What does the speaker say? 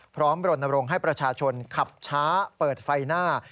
รณรงค์ให้ประชาชนขับช้าเปิดไฟหน้า